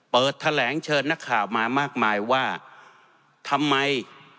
เปิดแถลงเชิญนักข่าวมามากมายว่าทำไม